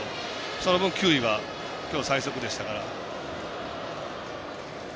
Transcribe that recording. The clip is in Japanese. その分、球威は今日最速でしたから。